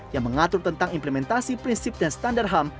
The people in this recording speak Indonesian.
yang mengatur tentang implementasi prinsip dan standar ham